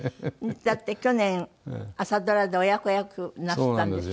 だって去年朝ドラで親子役なすったんでしょ？